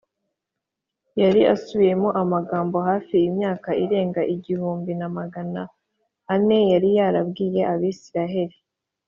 ” Yari asubiyemo amagambo, hafi imyaka irenga igihumbi na magana ane yari yarabwiye Abisiraheli